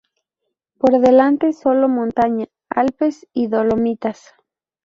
Por delante solo montaña, Alpes y Dolomitas.